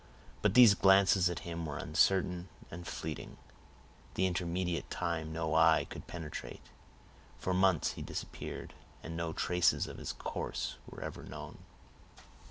But these glances at him were uncertain and fleeting. The intermediate time no eye could penetrate. For months he disappeared, and no traces of his course were ever known.